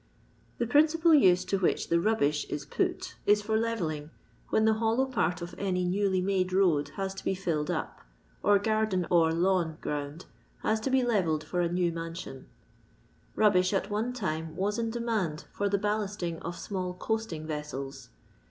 The principal use to which the rubbish is put LONDON LABOUR AND THB LONDON POOR. 287 if for lerelling, when the hollow part of any newly made road hai to be filled np, or garden or lawn ground has to be levelled for a new numsion. Bnbbish, at one timtf, was in demand for the bal lasting of small coastixf Tessels.